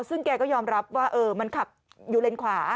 ซึ่งแกก็ยอมรับว่ามันขับอยู่เลนขวา